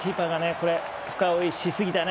これ、深追いしすぎたね。